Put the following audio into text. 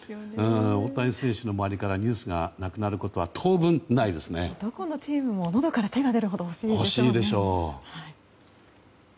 大谷選手の周りからニュースがなくなることはどこのチームものどから手が出るほど欲しいでしょうね。